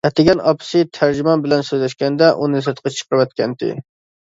ئەتىگەن ئاپىسى تەرجىمان بىلەن سۆزلەشكەندە ئۇنى سىرتقا چىقىرىۋەتكەنىدى.